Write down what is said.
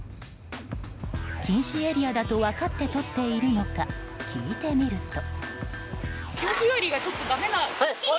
禁止エリアだと分かってとっているのか聞いてみると。